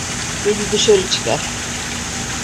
Beni dışarı çıkar.